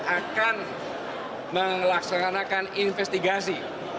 akan melaksanakan investigasi